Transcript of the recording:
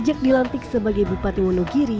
sejak dilantik sebagai bupati wonogiri